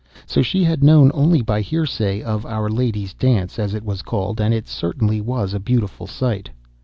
So she had known only by hearsay of 'Our Lady's Dance,' as it was called, and it certainly was a beautiful sight.